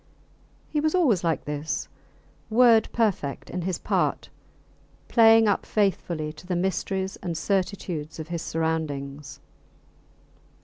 He was always like this word perfect in his part, playing up faithfully to the mysteries and certitudes of his surroundings.